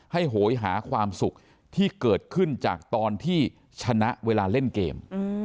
โหยหาความสุขที่เกิดขึ้นจากตอนที่ชนะเวลาเล่นเกม